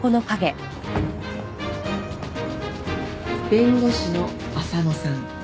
弁護士の浅野さん。